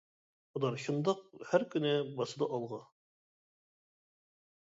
ئۇلار شۇنداق ھەر كۈنى، باسىدۇ ئالغا.